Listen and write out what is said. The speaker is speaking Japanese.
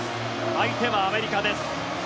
相手はアメリカです。